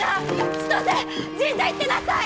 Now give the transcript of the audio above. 千歳神社行ってなさい！